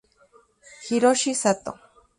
Hiroshi Sato